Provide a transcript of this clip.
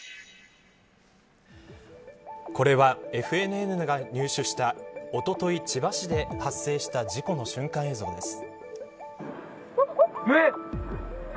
これはＦＮＮが入手したおととい千葉市で発生した事故の瞬間映像です。